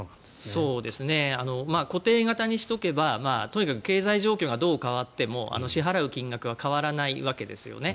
固定型にしておけば、とにかく経済状況がどう変わっても支払う金額が変わらないわけですよね。